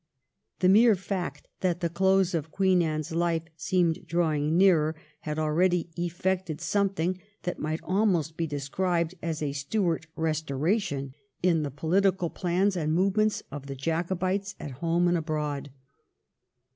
The mere fact that the close of Queen Anne's hfe seemed drawing near had already effected something that might almost be described as a Stuart restoration in the pohtical plans and move ments of the Jacobites at home and abroad.